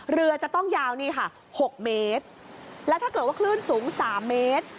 เรือจะต้องยาวนี่ค่ะ๖เมตรแล้วถ้าเกิดว่าคลื่นสูง๓เมตร